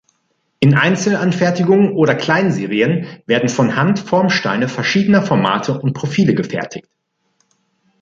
In Einzelanfertigungen oder Kleinserien werden von Hand Formsteine verschiedener Formate und Profile gefertigt.